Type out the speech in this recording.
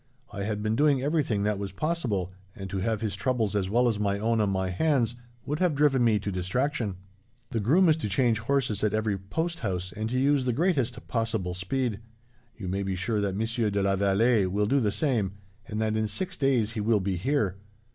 I had been doing everything that was possible, and to have his troubles as well as my own on my hands would have driven me to distraction. "The groom is to change horses at every post house, and to use the greatest possible speed. You may be sure that Monsieur de la Vallee will do the same, and that in six days he will be here.